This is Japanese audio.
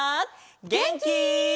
げんき？